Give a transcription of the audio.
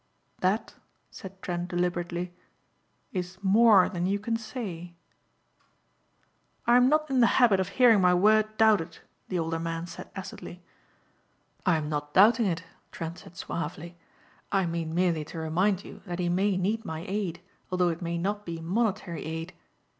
"That," said Trent deliberately, "is more than you can say." "I am not in the habit of hearing my word doubted," the older man said acidly. "I am not doubting it," Trent said suavely, "I mean merely to remind you that he may need my aid although it may not be monetary aid.